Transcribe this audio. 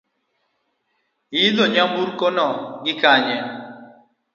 Iidho nyamburko gi kanye?